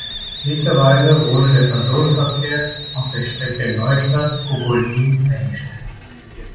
Mittlerweile wurde der Personenverkehr auf der Strecke Neustadt–Gogolin eingestellt.